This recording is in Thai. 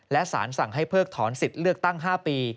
และสารสั่งให้เพิกถอนสิทธิ์เลือกตั้ง๕ปี